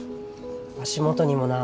足元にもな。